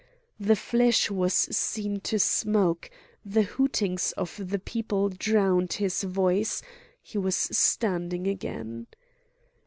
The flesh was seen to smoke; the hootings of the people drowned his voice; he was standing again.